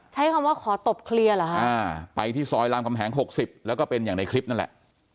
ใช้คำว่าขอตบเคลียร์เหรอฮะไปที่ซอยรามคำแหง๖๐แล้วก็เป็นอย่างในคลิปนั่นแหละ